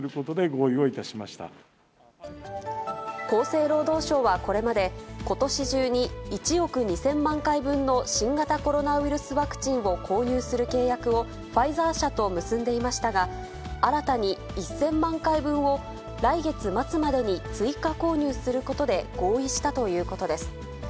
厚生労働省はこれまで、ことし中に１億２０００万回分の新型コロナウイルスワクチンを購入する契約を、ファイザー社と結んでいましたが、新たに１０００万回分を来月末までに追加購入することで合意したということです。